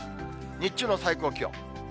日中の最高気温。